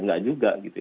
nggak juga gitu